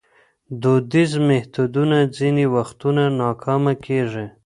دودیز میتودونه ځینې وختونه ناکامه کېږي.